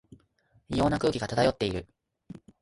異様な空気が漂っている